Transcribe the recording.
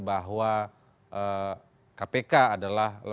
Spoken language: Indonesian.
saya balik dulu tadi